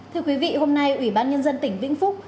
thưa quý vị hôm nay ủy ban nhân dân tỉnh vĩnh phúc